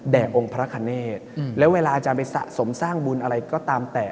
องค์พระคเนธแล้วเวลาอาจารย์ไปสะสมสร้างบุญอะไรก็ตามแต่